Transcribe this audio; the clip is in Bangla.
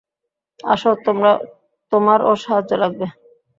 আসো, তোমারও সাহায্য লাগবে।